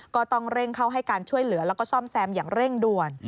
ก็ต้องเร่งเข้าให้การช่วยเหลือแล้วก็ซ่อมแซมอย่างเร่งด่วน